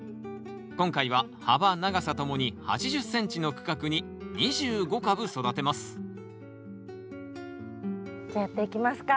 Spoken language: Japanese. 今回は幅長さともに８０ｃｍの区画に２５株育てますじゃあやっていきますか。